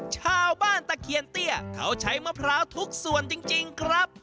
ชาวบ้านตะเคียนเตี้ยเขาใช้มะพร้าวทุกส่วนจริงครับ